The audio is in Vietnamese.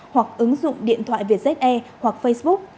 hoặc ứng dụng điện thoại vietjet air hoặc facebook